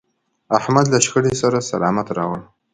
احمد له شخړې سر سلامت راوړ.